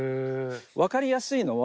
わかりやすいのは。